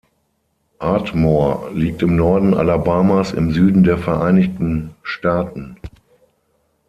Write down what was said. Ardmore liegt im Norden Alabamas im Süden der Vereinigten Staaten.